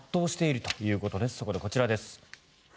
そこでこちらです。